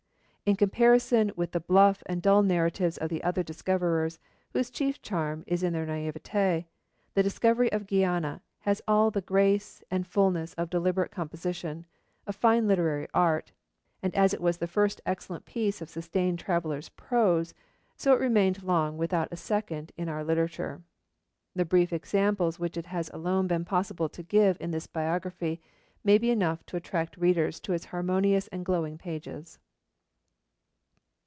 In comparison with the bluff and dull narratives of the other discoverers, whose chief charm is their naïveté, the Discovery of Guiana has all the grace and fullness of deliberate composition, of fine literary art, and as it was the first excellent piece of sustained travellers' prose, so it remained long without a second in our literature. The brief examples which it has alone been possible to give in this biography, may be enough to attract readers to its harmonious and glowing pages.